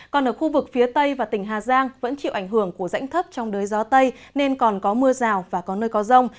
còn ở khu vực phía tây và tỉnh hà giang vẫn chịu ảnh hưởng của rãnh thấp trong đới gió tây nên còn có mưa rào và có nơi có rông